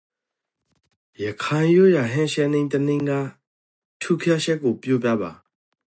ရခိုင်ရိုးရာဟင်းချက်နည်းတစ်နည်းကထူးခြားချက်ကိုပြောပြပါ။